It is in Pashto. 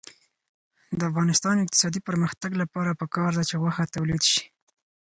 د افغانستان د اقتصادي پرمختګ لپاره پکار ده چې غوښه تولید شي.